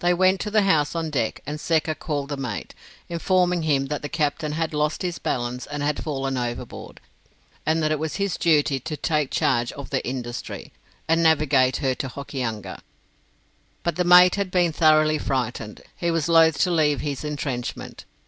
They went to the house on deck, and Secker called the mate, informing him that the captain had lost his balance, and had fallen overboard, and that it was his duty to take charge of the 'Industry', and navigate her to Hokianga. But the mate had been thoroughly frightened, and was loth to leave his entrenchment.